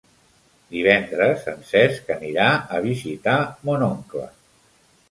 Divendres en Cesc anirà a visitar mon oncle.